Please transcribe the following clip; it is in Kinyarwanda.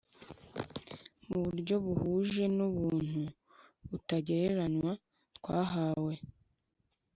mu buryo buhuje n’ubuntu butagereranywa twahawe